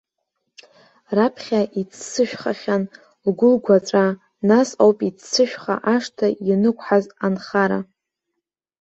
Раԥхьа иццышәхахьан лгәылгәаҵәа, нас ауп иццышәха ашҭа ианықәҳаз анхара.